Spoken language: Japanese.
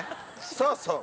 そうそう！